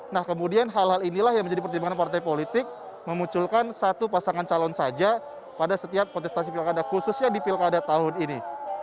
nah kemudian hal hal inilah yang menjadi pertimbangan partai politik memunculkan satu pasangan calon saja pada setiap kontestasi pilkada khususnya di pilkada tahun ini